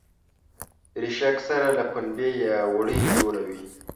دریشي اکثره له پنبې یا وړۍ جوړه وي.